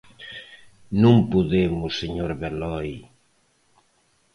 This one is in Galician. ¡Non podemos, señor Beloi!